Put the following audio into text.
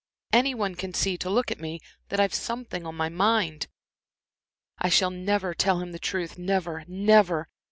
Any one can see, to look at me, that I've something on my mind.... "... I shall never tell him the truth never, never.